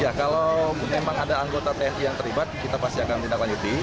ya kalau memang ada anggota tni yang terlibat kita pasti akan menindaklanjuti